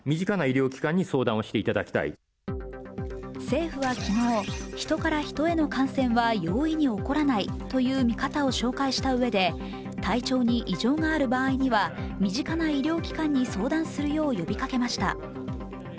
政府は昨日、人から人への感染は容易に起こらないという見方を紹介したうえで、体調に異常がある場合には身近な医療機関に相談するよう呼びかけました。